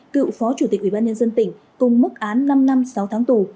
cựu phó chủ tịch ubnd tỉnh cùng mức án năm năm sáu tháng tù